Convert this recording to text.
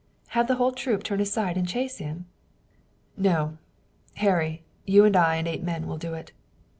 "Have the whole troop turn aside and chase him?" "No; Harry, you and I and eight men will do it.